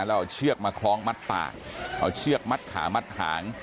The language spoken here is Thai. แล้วเอาเชือกมาคล้องมัดปากเอาเชือกมัดขามัดหาง